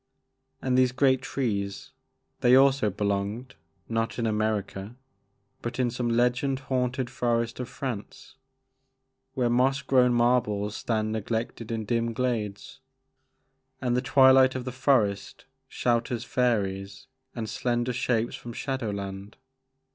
And these great trees, — ^they also belonged, not in America but in some legend haunted forest of France, where moss grown marbles stand neg lected in dim glades, and the twilight of the forest shelters fairies and slender shapes from shadow land.